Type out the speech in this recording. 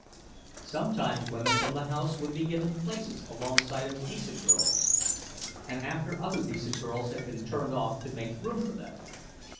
Sometimes women from the house would be given places alongside of decent girls, and after other decent girls had been turned off to make room for them.